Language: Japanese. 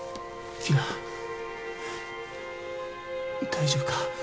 大丈夫か？